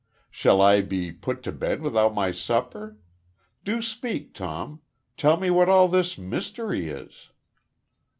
Shall I be put to bed without my supper? ... Do speak, Tom. Tell me what all this mystery is."